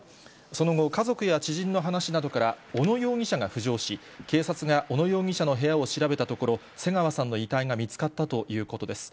その後、家族や知人の話などから小野容疑者が浮上し、警察が小野容疑者の部屋を調べたところ、瀬川さんの遺体が見つかったということです。